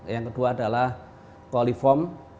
yang kedua adalah koliform